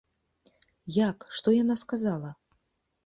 Як, што яна сказала?